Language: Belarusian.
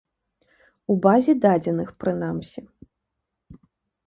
У базе дадзеных, прынамсі.